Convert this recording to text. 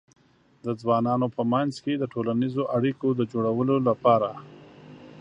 د ځوانانو په منځ کې د ټولنیزو اړیکو د جوړولو لپاره